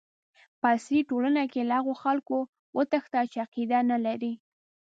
په عصري ټولنه کې له هغو خلکو وتښته چې عقیده نه لري.